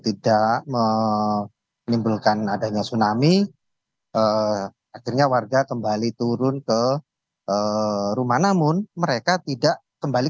tidak menimbulkan adanya tsunami akhirnya warga kembali turun ke rumah namun mereka tidak kembali